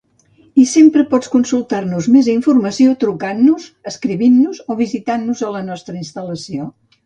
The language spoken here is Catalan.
I sempre pots consultar-nos més informació trucant-nos, escrivint-nos o visitant-nos a la nostra instal·lació.